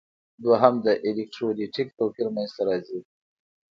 دوهم د الکترولیتیک توپیر منځ ته راځي.